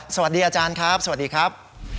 สวัสดีอาจารย์ครับสวัสดีครับ